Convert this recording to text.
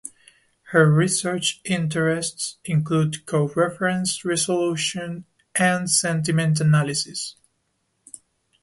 Her research interests include coreference resolution and sentiment analysis.